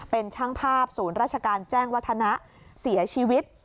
เป็นช่างภาพศูนย์ราชการแจ้งวัฒนะเสียชีวิต